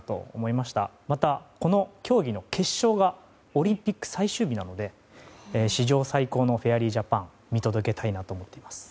また、この競技の決勝がオリンピック最終日なので史上最高のフェアリージャパン見届けたいなと思っています。